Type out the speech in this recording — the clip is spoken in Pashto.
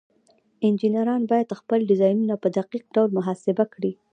انجینران باید خپل ډیزاینونه په دقیق ډول محاسبه کړي.